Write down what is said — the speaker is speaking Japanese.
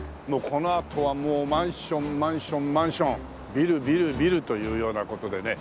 このあとはもうマンションマンションマンションビルビルビルというような事でね。